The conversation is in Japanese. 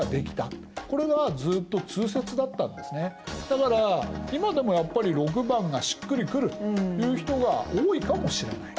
だから今でもやっぱり⑥がしっくりくるという人が多いかもしれない。